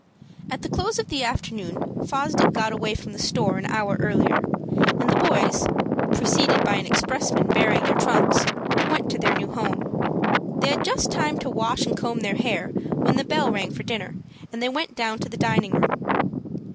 At the close of the afternoon Fosdick got away from the store an hour earlier, and the boys, preceded by an expressman bearing their trunks, went to their new home. They had just time to wash and comb their hair, when the bell rang for dinner, and they went down to the dining room.